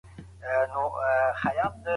زموږ پرضد به له پنجاب سره پَرَه شي